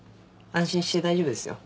安心して大丈夫ですよ。